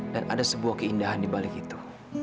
dan ada sebuah keindahan dibalik itu